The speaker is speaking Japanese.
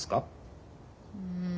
うん。